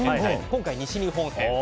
今回、西日本編。